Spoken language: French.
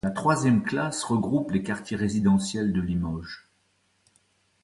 La troisième classe regroupe les quartiers résidentiels de Limoges.